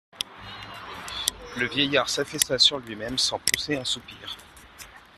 Le vieillard s'affaissa sur lui-même sans pousser un soupir.